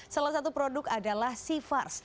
salah satu produk adalah sifars